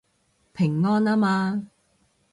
平安吖嘛